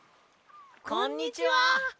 こんにちは！